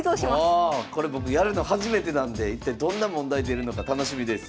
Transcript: これ僕やるの初めてなんで一体どんな問題出るのか楽しみです。